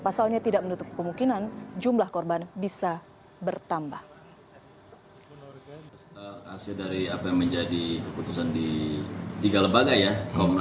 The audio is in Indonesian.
pasalnya tidak menutup kemungkinan jumlah korban bisa bertambah